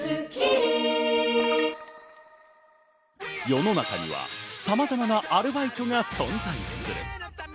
世の中にはさまざまなアルバイトが存在する。